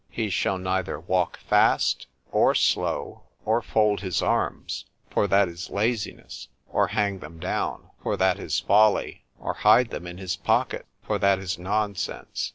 —— He shall neither walk fast,—or slow, or fold his arms,—for that is laziness;—or hang them down,—for that is folly; or hide them in his pocket, for that is nonsense.